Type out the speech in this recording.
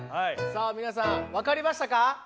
さあ皆さん分かりましたか？